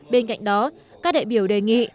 bên cạnh đó các đại biểu đề nghị